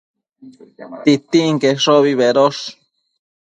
Titinqueshobi bedosh